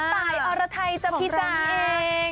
ตายออระไทยจังพี่จ๋าของเราเอง